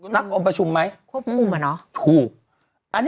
นักองค์ผู้ปกครู่อีกแล้วเนอะ